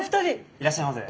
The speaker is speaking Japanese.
いらっしゃいませ。